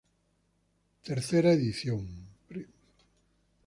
Third Edition.